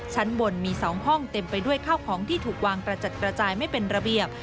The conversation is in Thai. ชั้นบนมี๒ห้องเต็มไปด้วยข้าวของที่ถูกวางกระจัดกระจายไม่เป็นระเบียบ